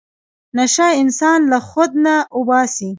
نشه انسان له خود نه اوباسي.